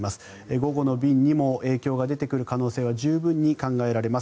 午後の便にも影響が出てくる可能性は十分に考えられます。